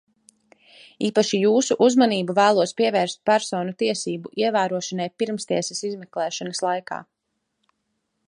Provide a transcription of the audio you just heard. Īpaši jūsu uzmanību vēlos pievērst personu tiesību ievērošanai pirmstiesas izmeklēšanas laikā.